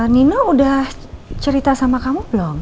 nino udah cerita sama kamu belum